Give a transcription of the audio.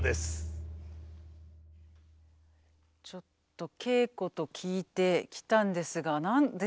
ちょっと稽古と聞いて来たんですが。